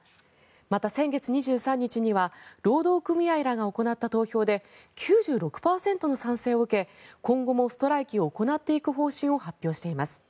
また、先月２３日には労働組合らが行った投票で９６％の賛成を受け、今後もストライキを行っていく方針を発表しています。